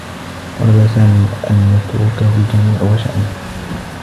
طلب سامي أن يتركه الجميع و شأنه.